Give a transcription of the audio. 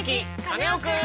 カネオくん」！